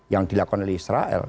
yang dilakukan oleh israel